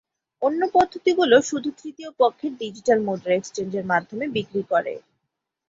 অন্য পদ্ধতিগুলো শুধু তৃতীয় পক্ষের ডিজিটাল মুদ্রা এক্সচেঞ্জের মাধ্যমে বিক্রি করে।